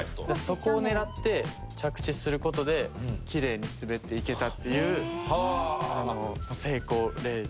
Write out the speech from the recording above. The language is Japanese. そこを狙って着地する事でキレイに滑っていけたっていう成功例。